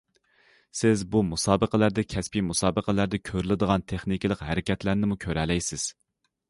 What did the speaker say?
سىز بۇ مۇسابىقىلەردە كەسپى مۇسابىقىلەردە كۆرۈلىدىغان تېخنىكىلىق ھەرىكەتلەرنىمۇ كۆرەلەيسىز.